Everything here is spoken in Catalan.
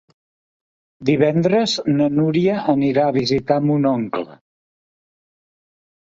Divendres na Núria anirà a visitar mon oncle.